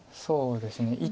そうですね。